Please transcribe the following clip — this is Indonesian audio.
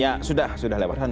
ya sudah sudah lewat